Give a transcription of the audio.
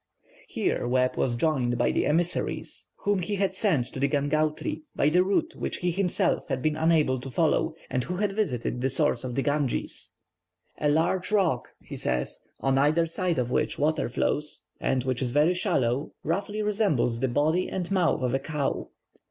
Here Webb was joined by the emissaries whom he had sent to Gangautri by the route which he himself had been unable to follow, and who had visited the source of the Ganges. "A large rock," he says, "on either side of which water flows, and which is very shallow, roughly resembles the body and mouth of a cow.